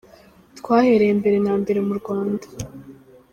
Twahereye mbere na mbere mu Rwanda.